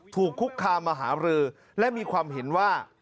ถูกคุกคามมหารือและมีความเห็นว่า